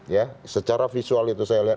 ya secara visual itu saya lihat